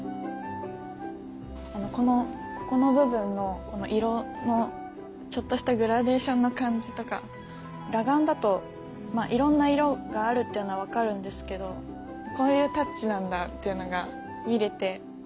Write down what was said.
このここの部分のこの色のちょっとしたグラデーションの感じとか裸眼だといろんな色があるっていうのは分かるんですけどこういうタッチなんだっていうのが見れてすごいワクワクしてます。